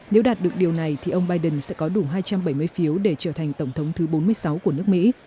nếu đạt được điều này thì ông biden sẽ có đủ hai trăm bảy mươi phiếu để trở thành tổng thống thứ bốn mươi sáu của nước mỹ